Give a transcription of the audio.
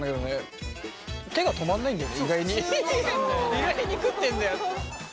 意外に食ってんだよ。